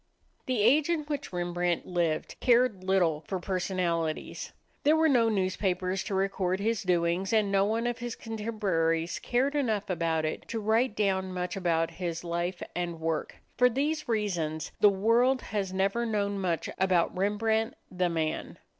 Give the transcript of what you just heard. The age in which Rembrandt lived cared little for personalities. There were no newspapers to record his doings, and no one of his contemporaries cared enough about it to write down much about his life and work. For these reasons, the world has never known much about Rembrandt, the man.